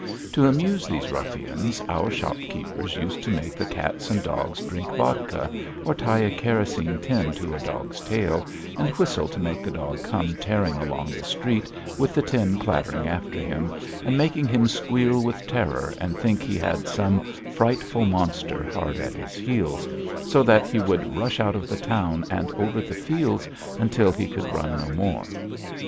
To amuse these ruffians our shopkeepers used to make the cats and dogs drink vodka, or tie a kerosene tin to a dog's tail, and whistle to make the dog come tearing along the street with the tin clattering after him, and making him squeal with terror and think he had some frightful monster hard at his heels, so that he would rush out of the town and over the fields until he could run no more.